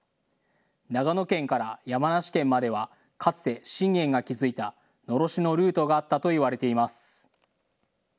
長野県から山梨県まではかつて信玄が築いたのろしのルートがあったといわれています。